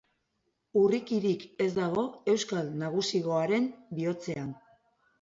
Urrikirik ez dago euskal nagusigoaren bihotzean.